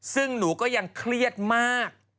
ซึ่งหนูก็ยังเครียดมาก